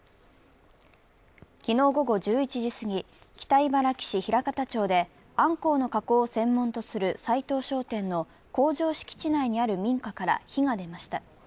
昨日午後１１時過ぎ、北茨城市平潟町であんこうの加工を専門とする斉藤商店の工場敷地内にある民家から火が出ました。